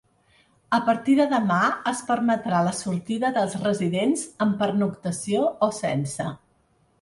A partir de demà es permetrà la sortida dels residents amb pernoctació o sense.